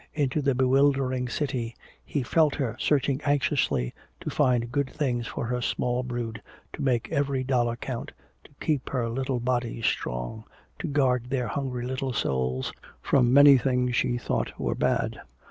Into the bewildering city he felt her searching anxiously to find good things for her small brood, to make every dollar count, to keep their little bodies strong, to guard their hungry little souls from many things she thought were bad.